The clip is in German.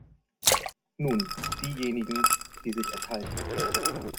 Nun diejenigen, die sich enthalten.